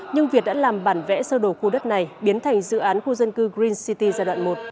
nhưng việt đã làm bản vẽ sơ đồ khu đất này biến thành dự án khu dân cư green city giai đoạn một